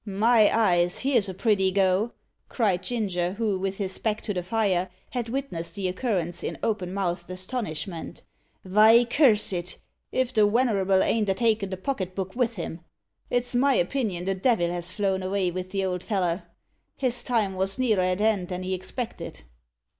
"My eyes! here's a pretty go!" cried Ginger, who, with his back to the fire, had witnessed the occurrence in open mouthed astonishment. "Vy, curse it! if the wenerable ain't a taken the pocket book with him! It's my opinion the devil has flown avay with the old feller. His time wos nearer at 'and than he expected."